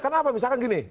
kenapa misalkan gini